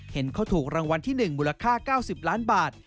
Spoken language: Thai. เห็นเขาถูกรางวัลที่๑มูลค่า๙๐ล้านบาท